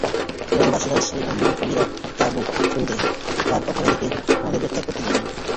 গ্রামবাসীরা সেজন্য বিরাট তাণ্ডব শুরু দেয় আর অপরাধী কে আমাদের গ্রেপ্তার করতে দেয়নি।